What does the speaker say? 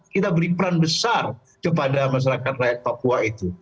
kepada masyarakat rakyat papua itu